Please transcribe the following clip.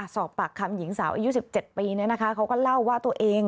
สอบปากคำหญิงสาวอายุ๑๗ปีเขาก็เล่าว่าตัวเอง